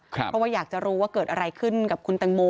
เพราะว่าอยากจะรู้ว่าเกิดอะไรขึ้นกับคุณตังโม